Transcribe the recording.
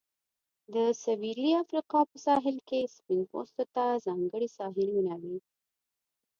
د سویلي افریقا په ساحل کې سپین پوستو ته ځانګړي ساحلونه وې.